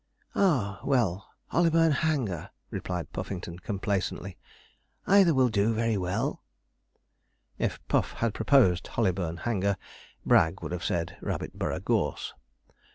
'Ah, well, Hollyburn Hanger,' replied Puffington, complacently; 'either will do very well.' If Puff had proposed Hollyburn Hanger, Bragg would have said Rabbitborough Gorse.